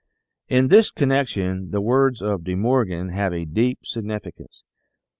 " In this connection the words of De Morgan have a deep significance.